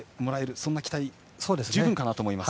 そんな期待、十分かなと思います。